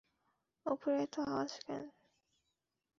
উপরে এত আওয়াজ কেন?